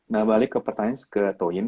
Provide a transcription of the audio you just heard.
nah balik ke pertanyaan ke toyen